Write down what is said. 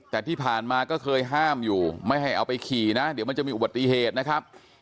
แต่ที่ผ่านมาก็เคยห้ามอยู่ไม่ให้เอาไปขี่นะเดี๋ยวมันจะมีอุบัติเหตุนะครับ